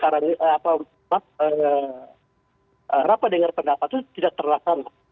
rapat dengar pendapat itu tidak terlaksana